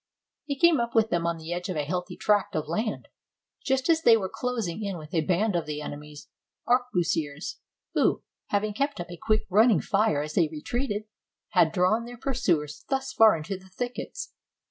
He came up with them on the edge of a heathy tract of land, just as they were closing in with a band of the ene my's arquebusiers, who, having kept up a quick running fire as they retreated, had drawn their pursuers thus far into the thickets.